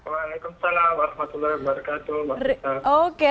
waalaikumsalam warahmatullahi wabarakatuh